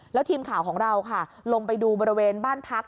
แล้วทีมข่าวของเราค่ะลงไปดูบริเวณบ้านพัก